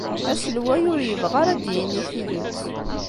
Aselway ur yebɣi ara ad d-yini tidet.